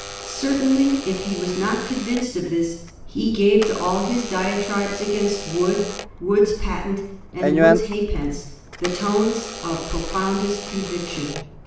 Certainly, if he was not convinced of this, he gave to aU his diatribes against Wood, Wood's patent, and Wood's halfpence the tones of profoundest conviction.